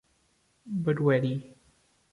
Barueri